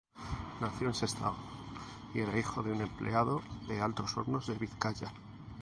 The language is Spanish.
Nació en Sestao y era hijo de un empleado de Altos Hornos de Vizcaya.